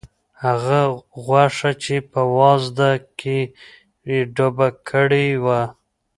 هغه غوښه چې په وازده کې یې ډوبه کړې وه.